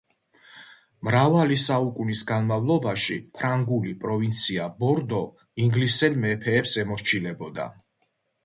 მრავალი საუკუნის განმავლობაში ფრანგული პროვინცია ბორდო ინგლისელ მეფეებს ემორჩილებოდა.